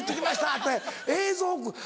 って映像を。